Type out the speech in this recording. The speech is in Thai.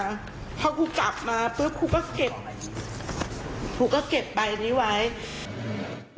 เมื่อกาคุก็เก็บคุณก็เก็บใบนี้ไว้